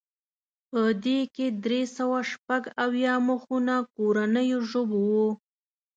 په دې کې درې سوه شپږ اویا مخونه کورنیو ژبو وو.